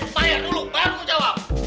bayar dulu baru jawab